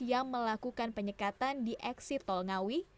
yang melakukan penyekatan di eksit tol ngawi